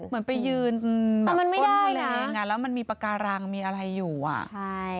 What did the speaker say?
เหมือนไปยืนมันไม่ได้เลยอ่ะแล้วมันมีปากการังมีอะไรอยู่อ่ะใช่